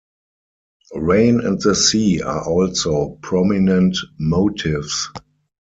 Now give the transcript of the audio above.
Rain and the sea are also prominent motifs.